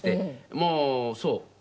もうそう。